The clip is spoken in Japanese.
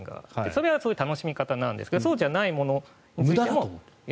それはそういう楽しみ方なんですがそうじゃないものも。